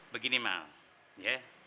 begini mal ya